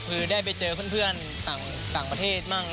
คือได้ไปเจอเพื่อนต่างประเทศมั่ง